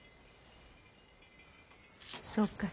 そうかい。